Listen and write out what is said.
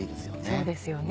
そうですよね